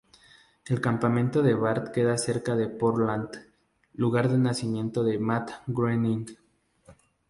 El campamento de Bart queda cerca de Portland, "lugar de nacimiento de Matt Groening".